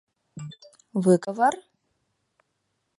Выговор?